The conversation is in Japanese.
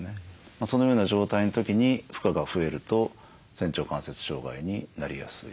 そのような状態の時に負荷が増えると仙腸関節障害になりやすい。